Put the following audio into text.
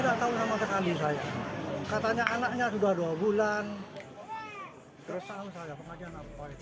tak tahu sama sekali saya katanya anaknya sudah dua bulan terus tahu saya pengajian